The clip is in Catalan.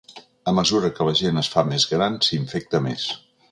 A mesura que la gent es fa més gran s’infecta més.